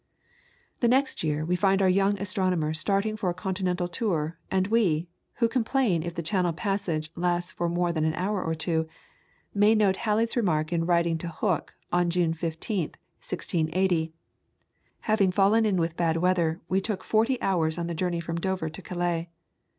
The next year we find our young astronomer starting for a Continental tour, and we, who complain if the Channel passage lasts more than an hour or two, may note Halley's remark in writing to Hooke on June 15th, 1680: "Having fallen in with bad weather we took forty hours in the journey from Dover to Calais."